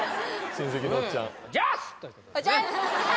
・親戚のおっちゃん